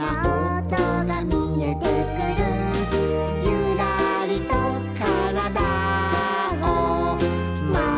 「ゆらりとからだをまかせたら」